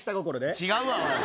違うわ。